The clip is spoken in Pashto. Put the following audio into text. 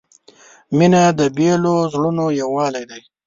• مینه د بېلو زړونو یووالی دی.